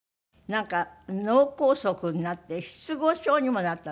なんか脳梗塞になって失語症にもなったんですって？